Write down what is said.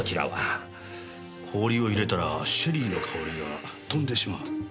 氷を入れたらシェリーの香りが飛んでしまう。